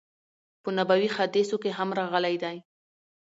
په نبوی حادثو کی هم راغلی دی